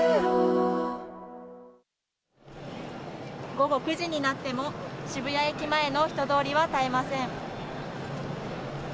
午後９時になっても渋谷駅前の人通りは絶えません。